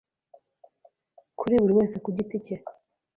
Kuri buri wese ku giti cye